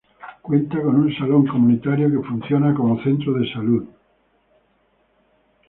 Cuenta con un salón comunitario que funciona como centro de salud.